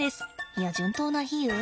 いや順当な比喩？